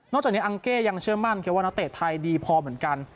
จากนี้อังเก้ยังเชื่อมั่นครับว่านักเตะไทยดีพอเหมือนกัน